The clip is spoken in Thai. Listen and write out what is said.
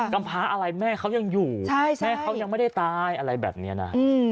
ำพาอะไรแม่เขายังอยู่แม่เขายังไม่ได้ตายอะไรแบบนี้นะ